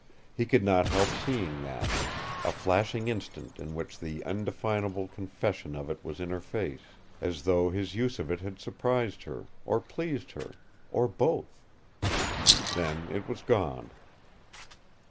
He could not help seeing that a flashing instant in which the indefinable confession of it was in her face, as though his use of it had surprised her, or pleased her, or both. Then it was gone.